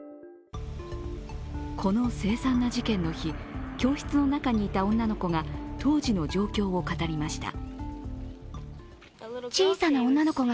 この凄惨な事件の日、教室の中にいた女の子が当時の状況を語りました。